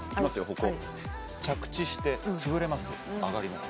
歩行着地して潰れます上がります